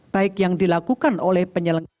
baik yang dilakukan oleh penyelenggara